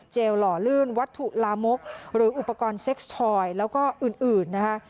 หล่อลื่นวัตถุลามกหรืออุปกรณ์เซ็กซ์ทอยแล้วก็อื่นนะคะ